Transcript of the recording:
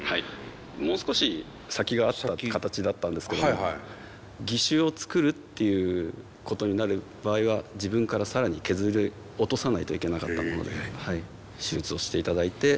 もう少し先があった形だったんですけども義手を作るっていうことになる場合は自分から更に削り落とさないといけなかったもので手術をしていただいて。